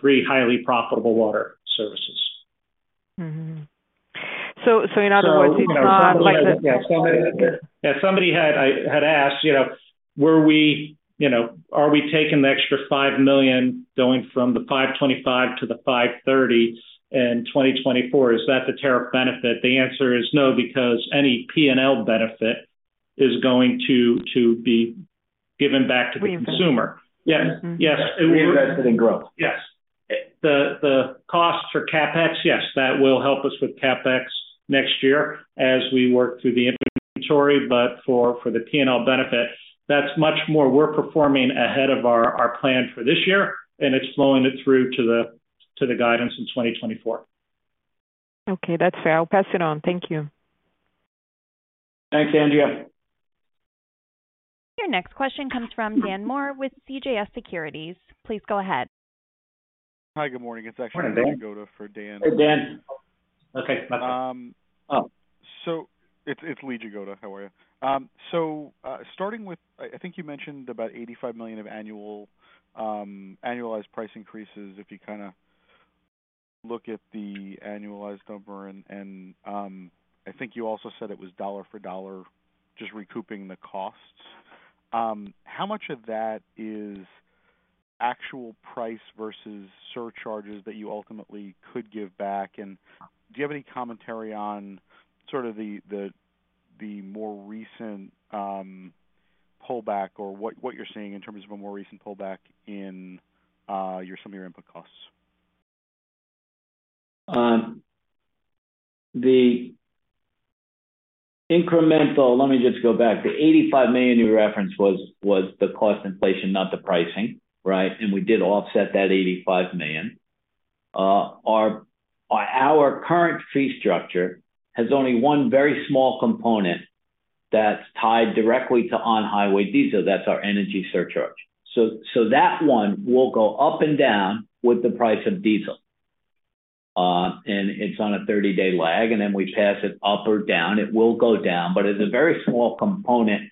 three highly profitable water services. Mm-hmm. In other words, like Somebody had asked, you know, were we, you know, are we taking the extra $5 million going from the $525 million to the $530 million in 2024, is that the tariff benefit? The answer is no, because any P&L benefit is going to be given back to the consumer. Reinvested. Yes. Yes. Reinvested in growth. Yes. The cost for CapEx, yes, that will help us with CapEx next year as we work through the inventory. For the P&L benefit, that's much more we're performing ahead of our plan for this year, and it's flowing it through to the guidance in 2024. Okay, that's fair. I'll pass it on. Thank you. Thanks, Andrea. Your next question comes from Daniel Moore with CJS Securities. Please go ahead. Hi, good morning. Good morning, Dan. It's actually Lee Jagoda for Dan. Hey, Dan. Okay. My bad. It's Lee Jagoda. How are you? Starting with, I think you mentioned about $85 million of annual annualized price increases. If you kinda look at the annualized number and, I think you also said it was dollar for dollar just recouping the costs. How much of that is actual price versus surcharges that you ultimately could give back? And do you have any commentary on sort of the more recent pullback or what you're seeing in terms of a more recent pullback in your some of your input costs? The $85 million you referenced was the cost inflation, not the pricing, right? We did offset that $85 million. Our current fee structure has only one very small component that's tied directly to on-highway diesel. That's our energy surcharge. That one will go up and down with the price of diesel. It's on a 30-day lag, and then we pass it up or down. It will go down, but it's a very small component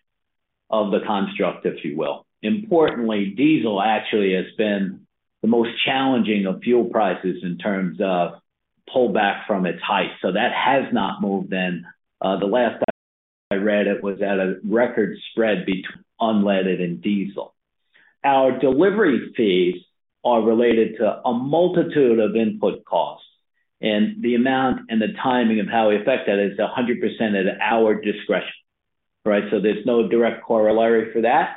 of the construct, if you will. Importantly, diesel actually has been the most challenging of fuel prices in terms of pullback from its height. That has not moved, and the last I read, it was at a record spread between unleaded and diesel. Our delivery fees are related to a multitude of input costs, and the amount and the timing of how we affect that is 100% at our discretion. Right? There's no direct corollary for that.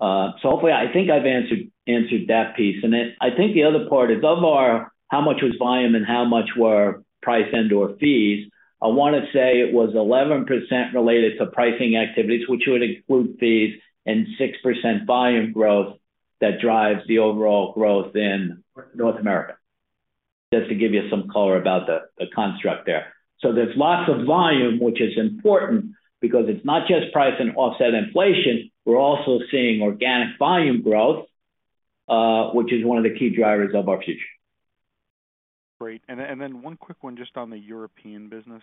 Hopefully, I think I've answered that piece. I think the other part is of our how much was volume and how much were price and/or fees. I wanna say it was 11% related to pricing activities, which would include fees, and 6% volume growth that drives the overall growth in North America. Just to give you some color about the construct there. There's lots of volume, which is important because it's not just price and offset inflation. We're also seeing organic volume growth, which is one of the key drivers of our future. Great. One quick one just on the European business.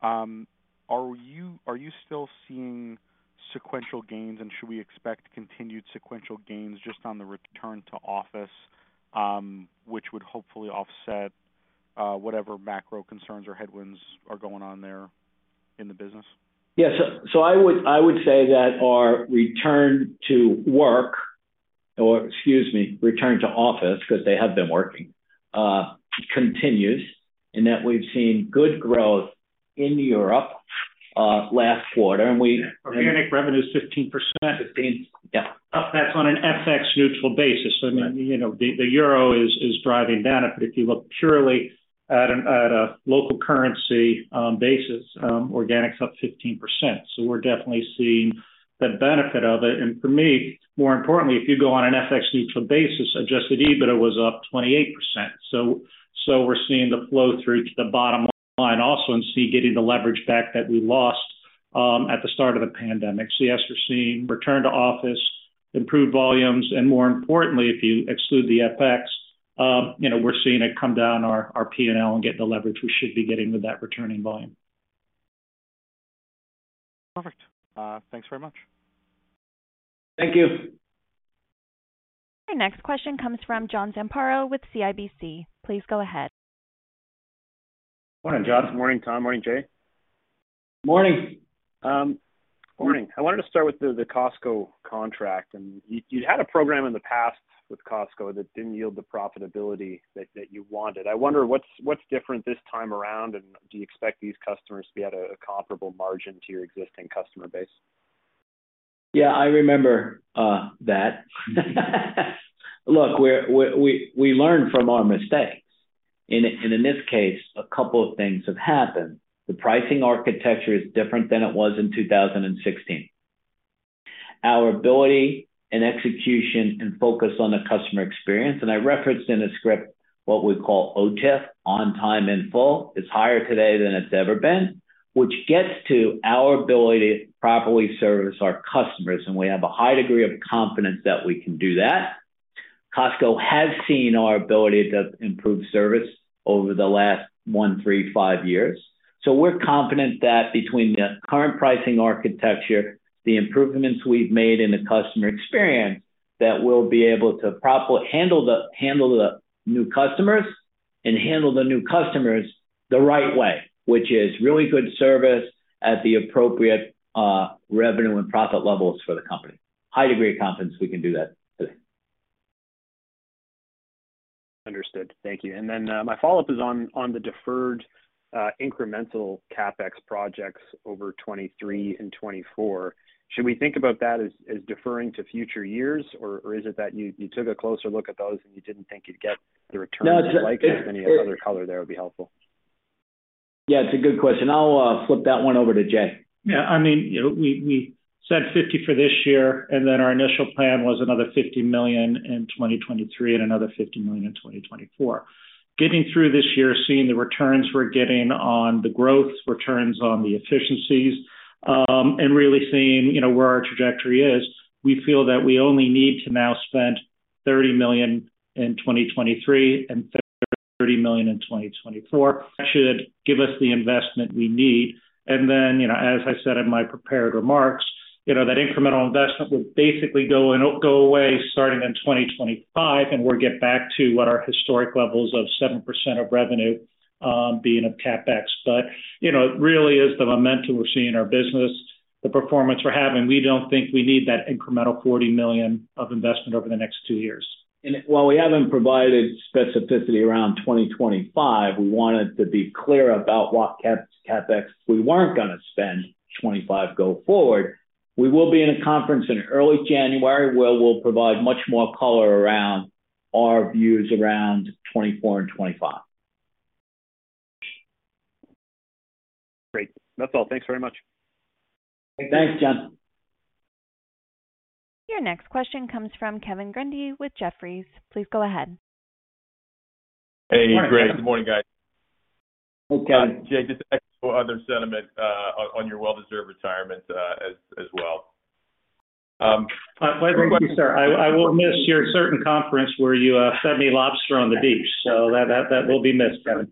Are you still seeing sequential gains, and should we expect continued sequential gains just on the return to office, which would hopefully offset whatever macro concerns or headwinds are going on there in the business? Yes. I would say that our return to office, 'cause they have been working, continues in that we've seen good growth in Europe, last quarter, and we- Organic revenue is 15%. 15, yeah. That's on an FX neutral basis. You know, the euro is driving down. If you look purely at a local currency basis, organics up 15%. We're definitely seeing the benefit of it. For me, more importantly, if you go on an FX neutral basis, adjusted EBITDA was up 28%. We're seeing the flow through to the bottom line also and seeing the leverage back that we lost at the start of the pandemic. Yes, we're seeing return to office, improved volumes, and more importantly, if you exclude the FX, you know, we're seeing it come through our P&L and get the leverage we should be getting with that returning volume. Perfect. Thanks very much. Thank you. Our next question comes from John Zamparo with CIBC. Please go ahead. Morning, John. Morning, Tom. Morning, Jay. Morning. Morning. I wanted to start with the Costco contract. You had a program in the past with Costco that didn't yield the profitability that you wanted. I wonder what's different this time around, and do you expect these customers to be at a comparable margin to your existing customer base? Yeah, I remember that. Look, we learn from our mistakes. In this case, a couple of things have happened. The pricing architecture is different than it was in 2016. Our ability and execution and focus on the customer experience, and I referenced in the script what we call OTIF, on time in full, is higher today than it's ever been, which gets to our ability to properly service our customers, and we have a high degree of confidence that we can do that. Costco has seen our ability to improve service over the last one, three, five years. We're confident that between the current pricing architecture, the improvements we've made in the customer experience, that we'll be able to properly handle the new customers the right way, which is really good service at the appropriate revenue and profit levels for the company. High degree of confidence we can do that today. Understood. Thank you. My follow-up is on the deferred incremental CapEx projects over 2023 and 2024. Should we think about that as deferring to future years? Or is it that you took a closer look at those and you didn't think you'd get the return that you'd like? If any other color there would be helpful. Yeah, it's a good question. I'll flip that one over to Jay. Yeah. I mean, you know, we said 50 for this year, and then our initial plan was another $50 million in 2023 and another $50 million in 2024. Getting through this year, seeing the returns we're getting on the growth, returns on the efficiencies, and really seeing, you know, where our trajectory is, we feel that we only need to now spend $30 million in 2023 and $30 million in 2024. That should give us the investment we need. And then, you know, as I said in my prepared remarks, you know, that incremental investment would basically go away starting in 2025, and we'll get back to what our historic levels of 7% of revenue being of CapEx. You know, it really is the momentum we see in our business, the performance we're having. We don't think we need that incremental $40 million of investment over the next two years. While we haven't provided specificity around 2025, we wanted to be clear about what CapEx we weren't gonna spend 25 going forward. We will be in a conference in early January where we'll provide much more color around our views around 2024 and 2025. Great. That's all. Thanks very much. Thanks, John. Your next question comes from Kevin Grundy with Jefferies. Please go ahead. Hey. Great. Good morning, guys. Hey, Kevin. Jay, just echo other sentiment on your well-deserved retirement, as well. Thank you, sir. I will miss your ICR conference where you fed me lobster on the beach. That will be missed, Kevin.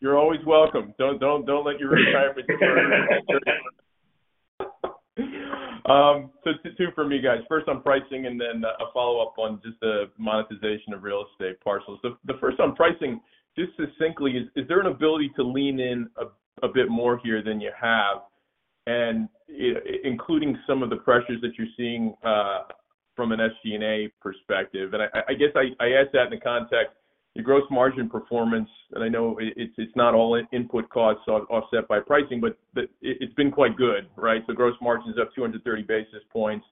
You're always welcome. Just two for me, guys. First on pricing and then a follow-up on just the monetization of real estate parcels. The first on pricing, just succinctly, is there an ability to lean in a bit more here than you have, including some of the pressures that you're seeing from an SG&A perspective. I guess I ask that in the context of your gross margin performance, and I know it's not all input costs offset by pricing, but it's been quite good, right? Gross margin's up 230 basis points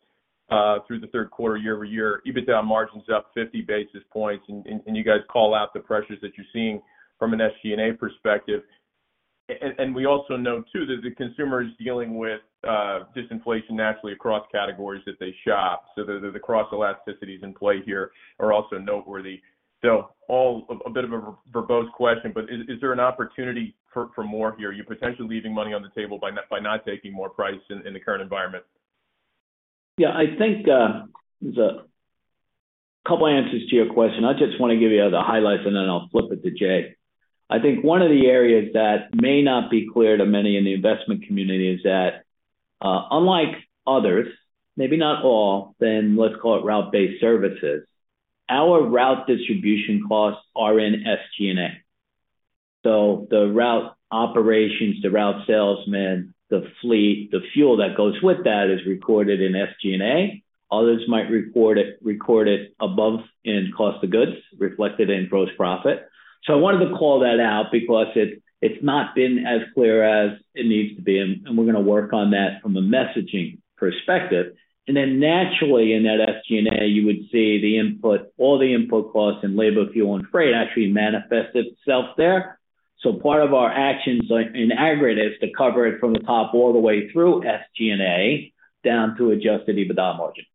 through the third quarter year-over-year. EBITDA margin's up 50 basis points. You guys call out the pressures that you're seeing from an SG&A perspective. We also know too that the consumer is dealing with disinflation naturally across categories that they shop. The cross elasticities in play here are also noteworthy. A bit of a verbose question, but is there an opportunity for more here? Are you potentially leaving money on the table by not taking more price in the current environment? Yeah. I think there's a couple answers to your question. I just wanna give you the highlights, and then I'll flip it to Jay. I think one of the areas that may not be clear to many in the investment community is that, unlike others, maybe not all, and let's call it route-based services, our route distribution costs are in SG&A. So the route operations, the route salesmen, the fleet, the fuel that goes with that is recorded in SG&A. Others might record it above in cost of goods, reflected in gross profit. So I wanted to call that out because it's not been as clear as it needs to be, and we're gonna work on that from a messaging perspective. Naturally in that SG&A, you would see the input, all the input costs and labor, fuel, and freight actually manifest itself there. Part of our actions in aggregate is to cover it from the top all the way through SG&A down to adjusted EBITDA margin.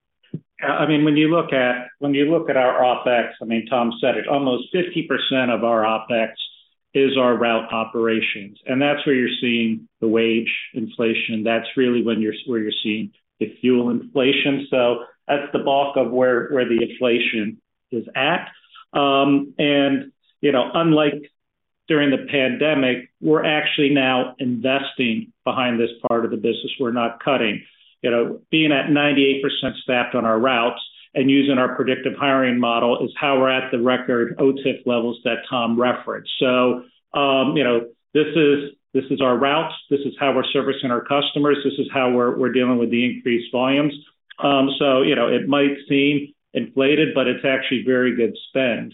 Yeah. I mean, when you look at our OpEx, I mean, Tom said it, almost 50% of our OpEx is our route operations, and that's where you're seeing the wage inflation. That's really where you're seeing the fuel inflation. That's the bulk of where the inflation is at. During the pandemic, we're actually now investing behind this part of the business. We're not cutting. You know, being at 98% staffed on our routes and using our predictive hiring model is how we're at the record OTIF levels that Tom referenced. This is our routes. This is how we're servicing our customers. This is how we're dealing with the increased volumes. You know, it might seem inflated, but it's actually very good spend.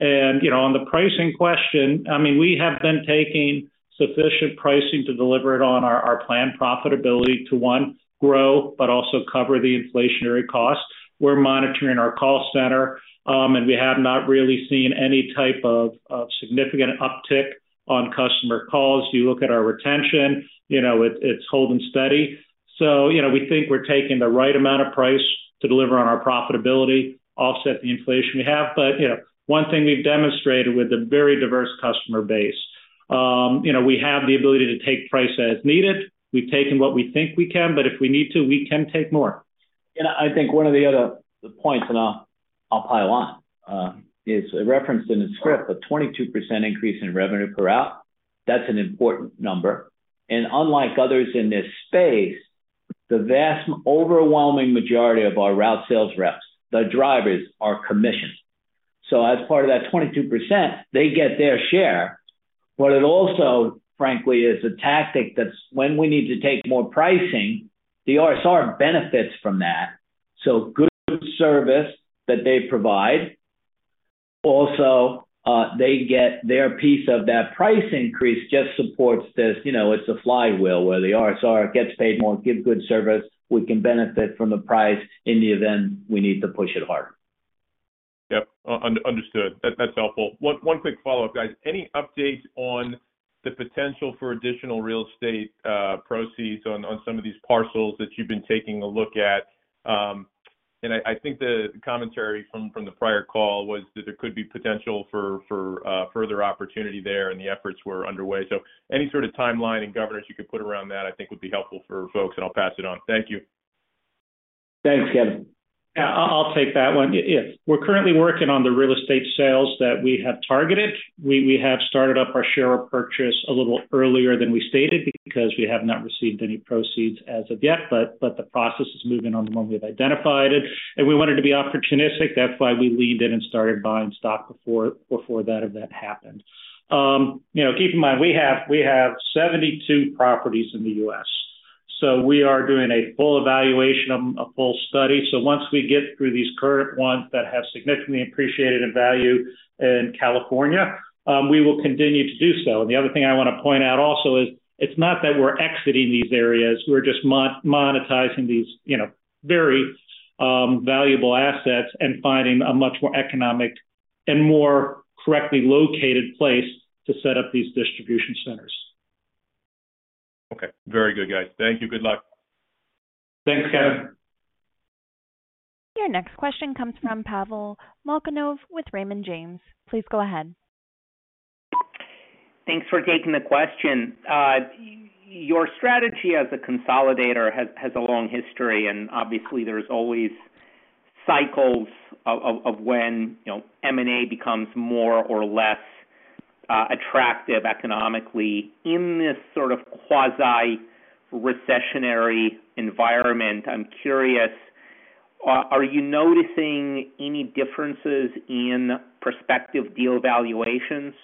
You know, on the pricing question, I mean, we have been taking sufficient pricing to deliver it on our planned profitability to grow, but also cover the inflationary costs. We're monitoring our call center, and we have not really seen any type of significant uptick on customer calls. You look at our retention, you know, it's holding steady. You know, we think we're taking the right amount of price to deliver on our profitability, offset the inflation we have. You know, one thing we've demonstrated with a very diverse customer base, you know, we have the ability to take price as needed. We've taken what we think we can, but if we need to, we can take more. I think one of the other points, and I'll pile on, is referenced in the script, a 22% increase in revenue per route. That's an important number. Unlike others in this space, the vast overwhelming majority of our route sales reps, the drivers are commissioned. As part of that 22%, they get their share. It also, frankly, is a tactic that's when we need to take more pricing, the RSR benefits from that. Good service that they provide. Also, they get their piece of that price increase just supports this. You know, it's a flywheel where the RSR gets paid more, give good service. We can benefit from the price in the event we need to push it hard. Understood. That's helpful. One quick follow-up, guys. Any updates on the potential for additional real estate proceeds on some of these parcels that you've been taking a look at? I think the commentary from the prior call was that there could be potential for further opportunity there, and the efforts were underway. Any sort of timeline and governance you could put around that I think would be helpful for folks, and I'll pass it on. Thank you. Thanks, Kevin. Yeah. I'll take that one. Yes. We're currently working on the real estate sales that we have targeted. We have started up our share purchase a little earlier than we stated because we have not received any proceeds as of yet, but the process is moving on the one we've identified. We wanted to be opportunistic. That's why we leaned in and started buying stock before that event happened. You know, keep in mind, we have 72 properties in the U.S., so we are doing a full evaluation, a full study. Once we get through these current ones that have significantly appreciated in value in California, we will continue to do so. The other thing I wanna point out also is it's not that we're exiting these areas. We're just monetizing these, you know, very valuable assets and finding a much more economic and more correctly located place to set up these distribution centers. Okay. Very good, guys. Thank you. Good luck. Thanks, Kevin. Your next question comes from Pavel Molchanov with Raymond James. Please go ahead. Thanks for taking the question. Your strategy as a consolidator has a long history, and obviously there's always cycles of when, you know, M&A becomes more or less attractive economically. In this sort of quasi-recessionary environment, I'm. curious, are you noticing any differences in prospective deal valuations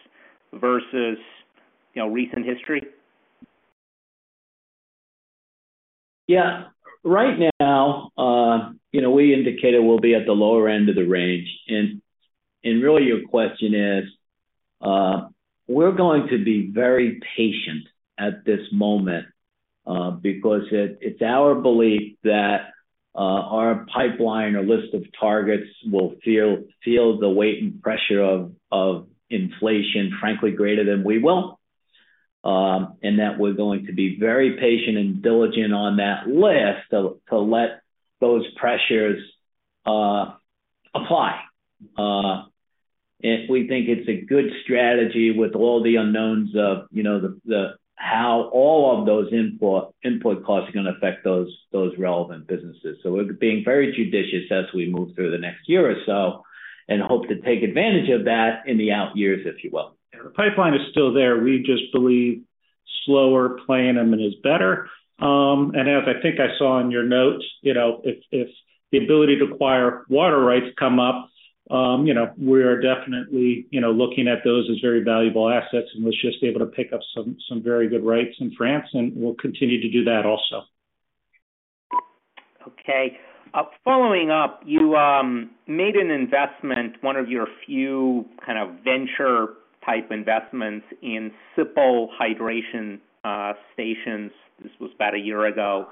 versus, you know, recent history? Yeah. Right now, you know, we indicated we'll be at the lower end of the range. Really your question is, we're going to be very patient at this moment, because it's our belief that our pipeline or list of targets will feel the weight and pressure of inflation, frankly, greater than we will. That we're going to be very patient and diligent on that list to let those pressures apply. If we think it's a good strategy with all the unknowns of, you know, how all of those input costs are gonna affect those relevant businesses. We're being very judicious as we move through the next year or so and hope to take advantage of that in the out years, if you will. Yeah. The pipeline is still there. We just believe slower playing them is better. As I think I saw in your notes, you know, if the ability to acquire water rights come up, you know, we are definitely, you know, looking at those as very valuable assets, and was just able to pick up some very good rights in France, and we'll continue to do that also. Okay. Following up, you made an investment, one of your few kind of venture type investments in Sipp Hydration Stations. This was about a year ago.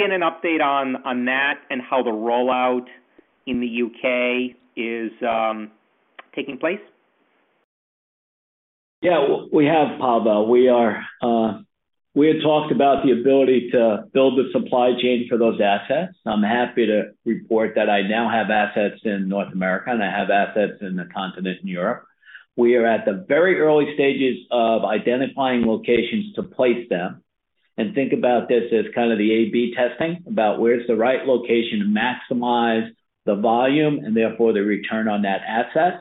Can I get an update on that and how the rollout in the UK is taking place? Yeah. We have, Pavel. We had talked about the ability to build the supply chain for those assets. I'm happy to report that I now have assets in North America, and I have assets in the continent of Europe. We are at the very early stages of identifying locations to place them and think about this as kind of the A/B testing about where's the right location to maximize the volume and therefore the return on that asset.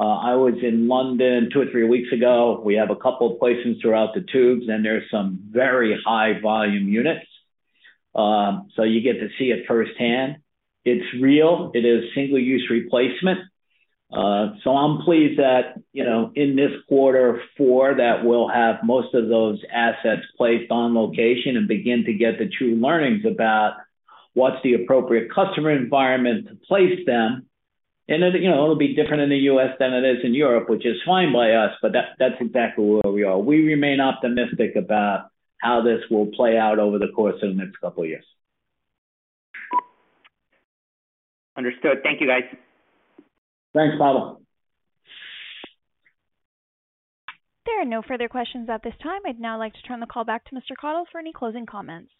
I was in London two or three weeks ago. We have a couple of places throughout the tubes, and there's some very high volume units. So you get to see it firsthand. It's real. It is single-use replacement. I'm pleased that, you know, in this quarter four, that we'll have most of those assets placed on location and begin to get the true learnings about what's the appropriate customer environment to place them. You know, it'll be different in the U.S. than it is in Europe, which is fine by us, but that's exactly where we are. We remain optimistic about how this will play out over the course of the next couple of years. Understood. Thank you, guys. Thanks, Pavel. There are no further questions at this time. I'd now like to turn the call back to Mr. Kathol for any closing comments.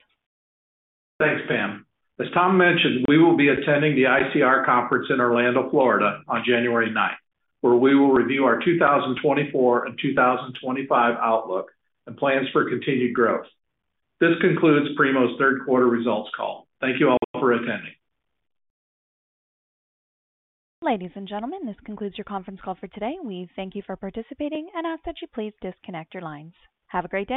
Thanks, Pam. As Tom mentioned, we will be attending the ICR conference in Orlando, Florida, on January ninth, where we will review our 2024 and 2025 outlook and plans for continued growth. This concludes Primo's third quarter results call. Thank you all for attending. Ladies and gentlemen, this concludes your conference call for today. We thank you for participating and ask that you please disconnect your lines. Have a great day.